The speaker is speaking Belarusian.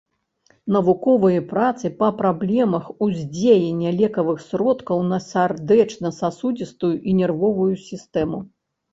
Навуковыя працы па праблемах уздзеяння лекавых сродкаў на сардэчна-сасудзістую і нервовую сістэму.